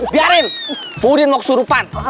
biarin pudin mau kesurupan